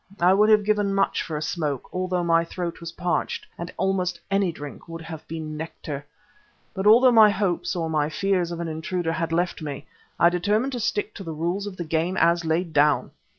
I would have given much for a smoke, although my throat was parched; and almost any drink would have been nectar. But although my hopes (or my fears) of an intruder had left me, I determined to stick to the rules of the game as laid down.